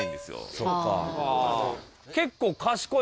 そうか。